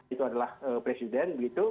itu adalah presiden